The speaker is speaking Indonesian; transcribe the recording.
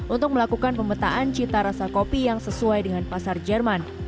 untuk melakukan pemetaan cita rasa kopi yang sesuai dengan pasar jerman